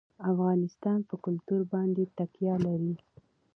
افغانستان په کلتور باندې تکیه لري.